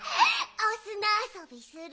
おすなあそびする！